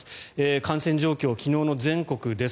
感染状況、昨日の全国です。